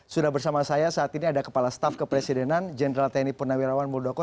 sudah bersama saya saat ini ada kepala staf kepresidenan jenderal tni purnawirawan muldoko